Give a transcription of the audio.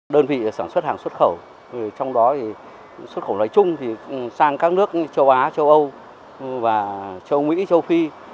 đơn vị sản xuất hàng xuất khẩu trong đó xuất khẩu nói chung sang các nước châu á châu âu châu mỹ châu phi